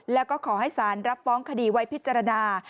แล้วก็ขอให้สารรับฟ้องคดีไว้พิจารณา